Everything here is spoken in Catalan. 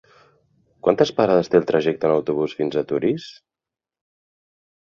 Quantes parades té el trajecte en autobús fins a Torís?